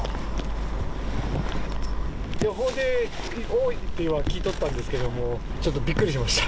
予報で多いとは聞いとったんですけども、ちょっとびっくりしました。